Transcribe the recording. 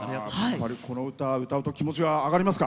この歌を歌うと気持ちが上がりますか？